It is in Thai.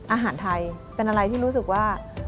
อาหารไทยเป็นอะไรที่รู้สึกว่า